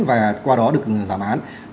và qua đó được giảm án